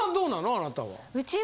あなたは。